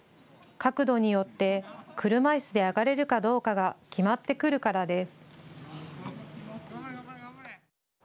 角度によって車いすで上がれるかどうかが決まってくるからです。